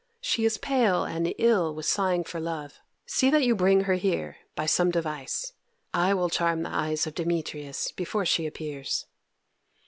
She is pale and ill with sighing for love. See that you bring her here by some device. I will charm the eyes of Demetrius before she appears."